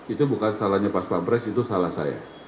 itu bukan salahnya pas pampres itu salah saya